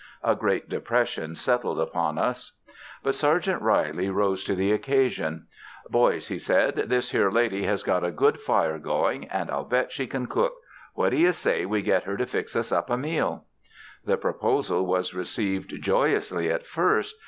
A great depression settled upon us. But Sergeant Reilly rose to the occasion. "Boys," he said, "this here lady has got a good fire going, and I'll bet she can cook. What do you say we get her to fix us up a meal?" The proposal was received joyously at first.